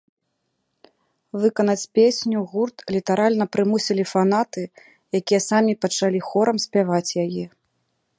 Выканаць песню гурт літаральна прымусілі фанаты, якія самі пачалі хорам спяваць яе.